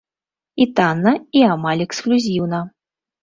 І танна, і амаль эксклюзіўна.